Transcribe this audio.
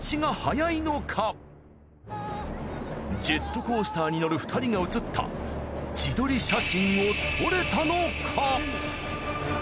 ジェットコースターに乗る２人が写った自撮り写真を撮れたのか？